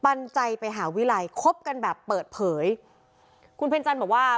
ปันใจไปหาวิรัยคบกันแบบเปิดเผยคุณเพ็ญจันทร์บอกว่า